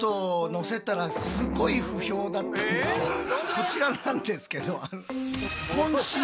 こちらなんですけど。